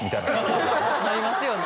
なりますよね。